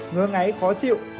ngứa ngáy khó chịu